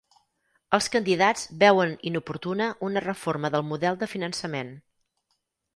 Els candidats veuen inoportuna una reforma del model de finançament